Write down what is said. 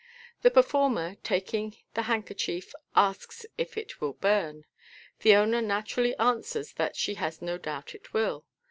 The performer, taking the handkerchief, a>ks if it will burn. The owner naturally answers that she has no doubt it will.